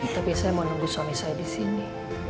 tapi saya mau nunggu suami saya disini